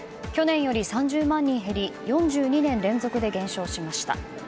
去年より３０万人減り４２年連続で減少しました。